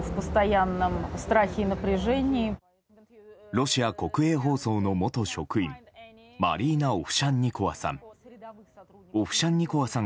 ロシア国営放送の元職員マリーナ・オフシャンニコワさん。